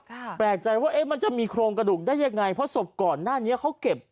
แปลกใจว่าเอ๊ะมันจะมีโครงกระดูกได้ยังไงเพราะศพก่อนหน้านี้เขาเก็บ